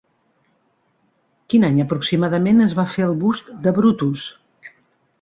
Quin any aproximadament es va fer el Bust de Brutus?